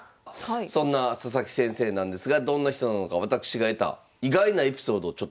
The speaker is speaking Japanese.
そんな佐々木先生なんですがどんな人なのか私が得た意外なエピソードをちょっとご紹介したいと思います。